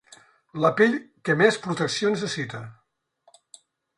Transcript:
La pell que més protecció necessita.